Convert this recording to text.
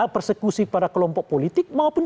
persekusi pada kelompok politik maupun